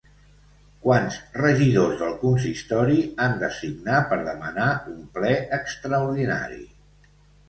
Quants regidors del consistori han de signar per demanar un ple extraordinari?